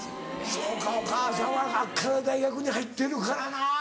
そうかお母さんは大学に入ってるからな。